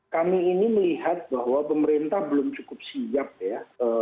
kami ini melihat bahwa pemerintah belum cukup siap ya